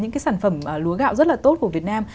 những cái sản phẩm lúa gạo rất là tốt của việt nam